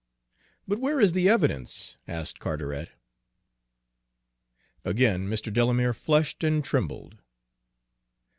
"But where is the evidence?" asked Carteret. Again Mr. Delamere flushed and trembled.